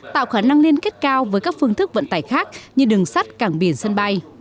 tạo khả năng liên kết cao với các phương thức vận tải khác như đường sắt cảng biển sân bay